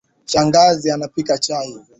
Shangazi alipika chai.